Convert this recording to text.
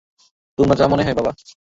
তোমার যা মনে হয়, বাবা!